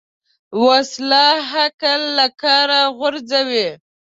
وسله عقل له کاره غورځوي